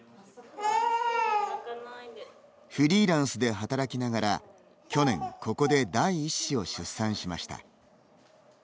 フリーランスで働きながら去年ここで第一子を出産しました。